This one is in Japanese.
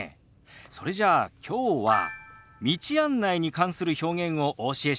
それじゃあきょうは道案内に関する表現をお教えしましょう。